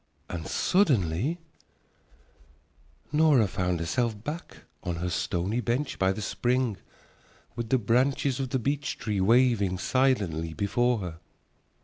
And suddenly Nora found herself back on her stony bench by the spring with the branches of the beech tree waving silently before her.